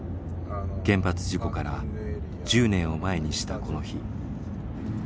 原発事故から１０年を前にしたこの日。